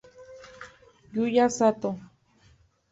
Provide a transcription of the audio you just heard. Yuya Sato